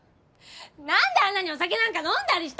何であんなにお酒なんか飲んだりしたの！